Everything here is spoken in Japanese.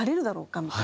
みたいな。